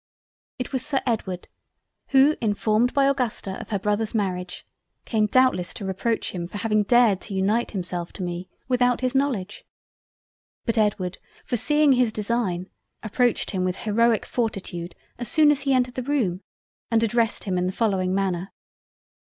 It was Sir Edward, who informed by Augusta of her Brother's marriage, came doubtless to reproach him for having dared to unite himself to me without his Knowledge. But Edward foreseeing his design, approached him with heroic fortitude as soon as he entered the Room, and addressed him in the following Manner.